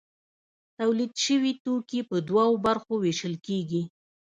تولید شوي توکي په دوو برخو ویشل کیږي.